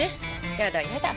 やだやだ。